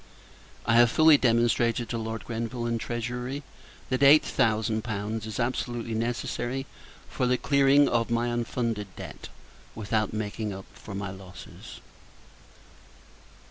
I have fully demonstrated, to Lord Grenville and Treasury, that eight thousand pounds is absolutely necessary for the clearing off my unfunded debt, without making up for my losses.